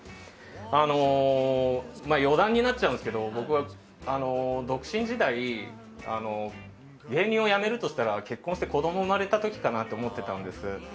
余談になっちゃうんですけど僕は独身時代芸人をやめるとしたら結婚して子供が生まれた時かなって思ってたんです。